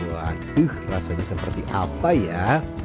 waduh rasanya seperti apa ya